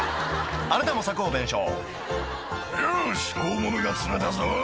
あなたも柵を弁償「よし大物が釣れたぞ」